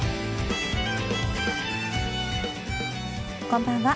こんばんは。